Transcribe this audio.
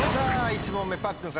１問目パックンさん